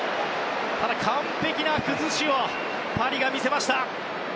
ただ、完璧な崩しをパリが見せました。